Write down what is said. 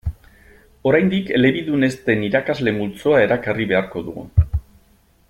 Oraindik elebidun ez den irakasle multzoa erakarri beharko dugu.